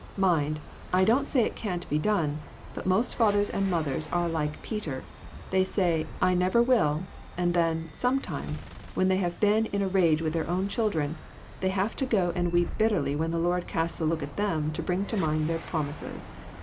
Mind, I don't say it can't be done, but most fathers and mothers are like Peter. They say ' I never will,' and then, sometime, when they have been in a rage with their own children, they have to go and weep bitterly when the Lord casts a look at them to bring to mind their promises.